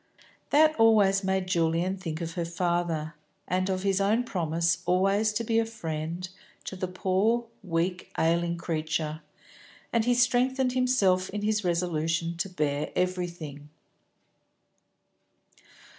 That always made Julian think of her father, and of his own promise always to be a friend to the poor, weak, ailing creature; and he strengthened himself in his resolution to bear everything.